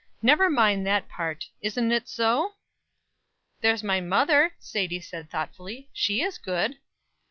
Never mind that part. Isn't it so?" "There's my mother," Sadie said thoughtfully. "She is good."